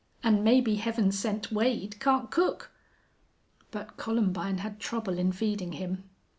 And maybe Heaven Sent Wade can't cook!" But Columbine had trouble in feeding him.